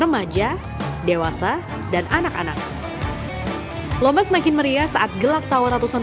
menariknya gimana menariknya ini